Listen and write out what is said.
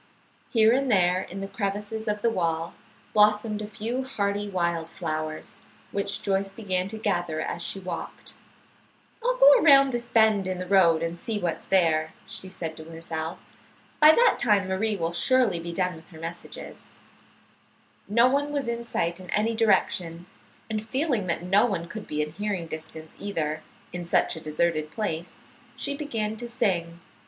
Here and there in the crevices of the wall blossomed a few hardy wild flowers, which Joyce began to gather as she walked. "I'll go around this bend in the road and see what's there," she said to herself. "By that time Marie will surely be done with her messages." No one was in sight in any direction, and feeling that no one could be in hearing distance, either, in such a deserted place, she began to sing.